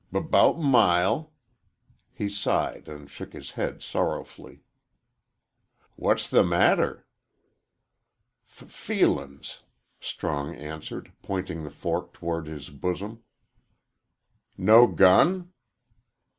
"B bout mile." He sighed and shook his head sorrowfully. "What's the matter?" "F feelin's!" Strong answered, pointing the fork towards his bosom. "No gun?"